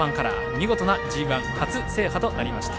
見事なＧＩ初制覇となりました。